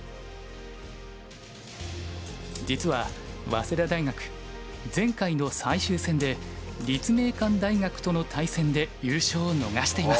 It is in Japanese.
実は早稲田大学前回の最終戦で立命館大学との対戦で優勝を逃しています。